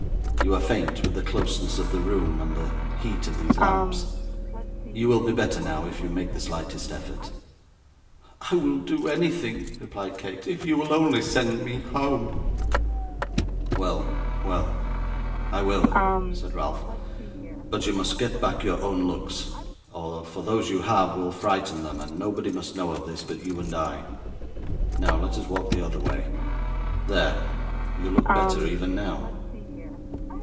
You are faint with the closeness of the room, and the heat of these lamps. You will be better now, if you make the slightest effort.' 'I will do anything,' replied Kate, 'if you will only send me home.' 'Well, well, I will,' said Ralph; 'but you must get back your own looks; for those you have, will frighten them, and nobody must know of this but you and I. Now let us walk the other way. There. You look better even now.